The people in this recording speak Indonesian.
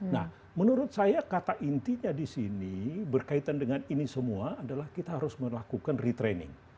nah menurut saya kata intinya di sini berkaitan dengan ini semua adalah kita harus melakukan retraining